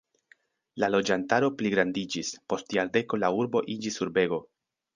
La loĝantaro pligrandiĝis, post jardeko la urbo iĝis urbego.